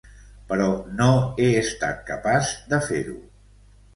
Però no he estat capaç de fer-ho.